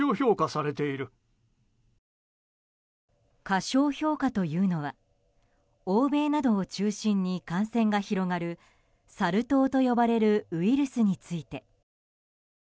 過小評価というのは欧米などを中心に感染が広がるサル痘と呼ばれるウイルスについて。